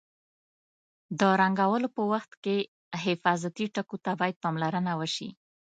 د رنګولو په وخت کې حفاظتي ټکو ته باید پاملرنه وشي.